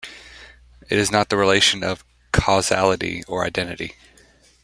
It is not the relation of "causality" or "identity".